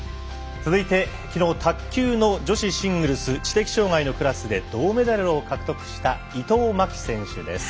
続いてきのう卓球の女子シングルス知的障がいのクラスで銅メダルを獲得した伊藤槙紀選手です。